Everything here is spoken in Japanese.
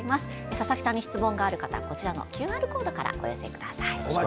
佐々木さんに質問がある方はこちらのＱＲコードからお寄せください。